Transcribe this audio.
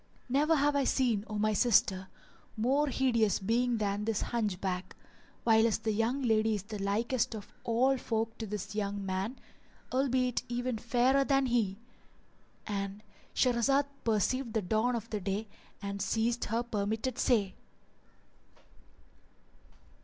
Never have I seen, O my sister, more hideous being than this Hunchback [FN#404] whilst the young lady is the likest of all folk to this young man, albeit even fairer than he,"—And Shahrazad perceived the dawn of day and ceased saying her permitted say.